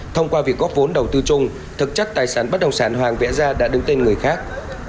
thông qua việc góp vốn đầu tư chung thực chất tài sản bất đồng sản hoàng vẽ gia đã đứng tên người khác